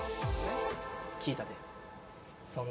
聞いたで。